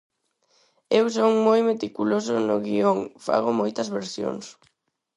Eu son moi meticuloso no guión, fago moitas versións.